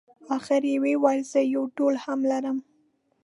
اخر یې وویل زه یو ډول هم لرم.